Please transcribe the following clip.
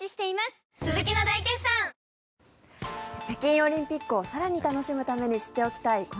北京オリンピックを更に楽しむために知っておきたい